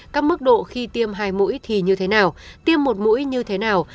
các mức độ khi tiêm hai mũi thì như thế nào tiêm một mũi như thế nào